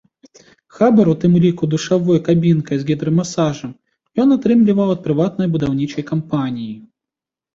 Хабар, у тым ліку душавой кабінкай з гідрамасажам, ён атрымліваў ад прыватнай будаўнічай кампаніі.